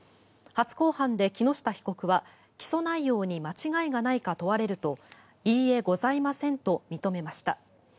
初公判で木下被告は起訴内容に間違いがないか問われるといいえ、ございませんと認めました。